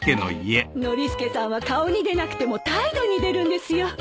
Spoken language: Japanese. ノリスケさんは顔に出なくても態度に出るんですよ。